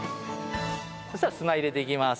そしたら砂入れていきます。